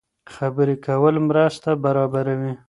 خبرې کول مرسته برابروي.